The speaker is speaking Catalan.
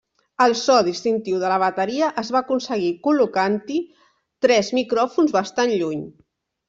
El so distintiu de la bateria es va aconseguir col·locant-hi tres micròfons bastant lluny.